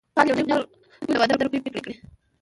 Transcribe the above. کال يو نيم کال کونډې د واده روپۍ پرې کړې.